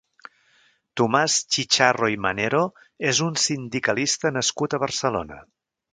Tomàs Chicharro i Manero és un sindicalista nascut a Barcelona.